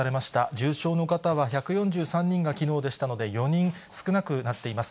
重症の方は１４３人がきのうでしたので、４人少なくなっています。